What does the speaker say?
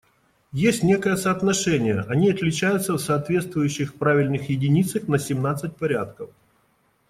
Есть некое соотношение, они отличаются в соответствующих правильных единицах на семнадцать порядков.